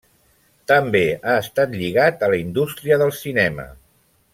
També ha estat lligat a la indústria del cinema.